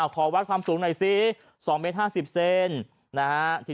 ขอวัดความสูงหน่อยสิ๒๕๐เซนติเซนติเซนติ